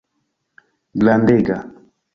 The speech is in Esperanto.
grandega